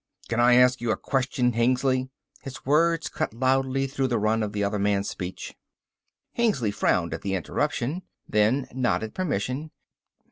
"Can I ask you a question, Hengly?" His words cut loudly through the run of the other man's speech. Hengly frowned at the interruption, then nodded permission.